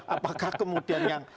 apakah kemudian yang